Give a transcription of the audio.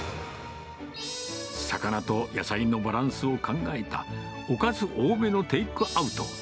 魚と野菜のバランスを考えた、おかず多めのテイクアウト。